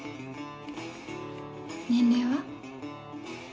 年齢は？